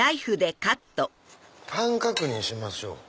パン確認しましょう。